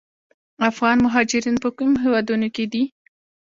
افغان مهاجرین په کومو هیوادونو کې دي؟